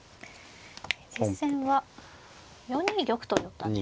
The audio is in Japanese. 実戦は４二玉と寄ったんですね。